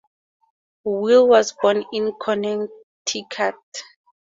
Will was born in Connecticut.